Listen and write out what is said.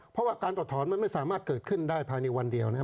เพราะว่าการถอดถอนมันไม่สามารถเกิดขึ้นได้ภายในวันเดียวนะครับ